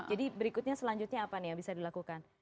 jadi berikutnya selanjutnya apa nih yang bisa dilakukan